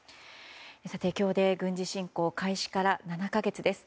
さて、今日で軍事侵攻開始から７か月です。